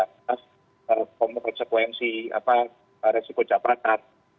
atas konsekuensi resiko jabatan